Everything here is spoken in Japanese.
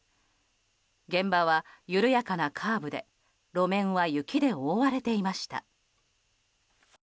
現場は緩やかなカーブで路面は雪で覆われていました。